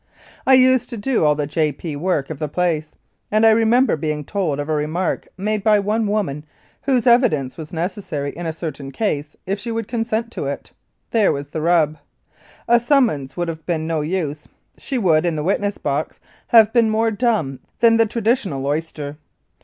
I used to do all the J.P. work of the place, and I remember being told of a remark made by one woman whose evidence was necessary in a certain case if she would consent to give it. There was the rub. A summons would have been no use ; she would, in the witness box, have been more dumb than the traditional oyster.